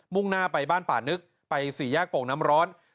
่งหน้าไปบ้านป่านึกไปสี่แยกโป่งน้ำร้อน